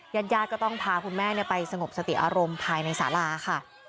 ญาติญาติก็ต้องพาคุณแม่ไปสงบสติอารมณ์ภายในสาราค่ะ